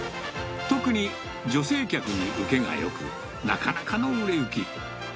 特に女性客に受けがよく、なかなかの売れ行き。